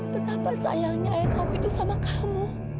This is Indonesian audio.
betapa sayangnya ayah kamu itu sama kamu